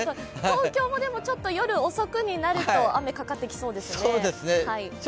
東京も夜遅くになると雨かかってきそうですね。